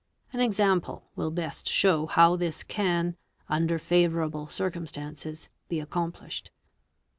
An example will best show how this ean, under favourable circumstances, be accomplished.